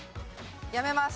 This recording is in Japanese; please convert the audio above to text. やめます。